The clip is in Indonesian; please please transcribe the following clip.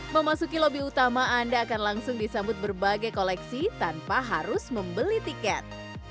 memasuki lobi utama anda akan langsung disambut berbagai koleksi tanpa harus membeli tiket